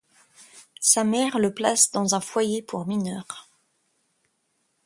Sa mère le place dans un foyer pour mineurs.